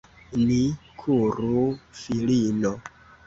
Ni kuru, filino!